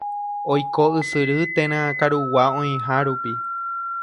Oiko ysyry térã karugua oĩha rupi.